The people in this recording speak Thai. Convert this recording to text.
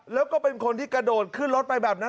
แล้วก็เป็นคนที่กระโดดขึ้นรถไปแบบนั้น